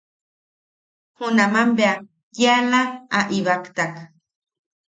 Junaman bea kiala a ibaktak.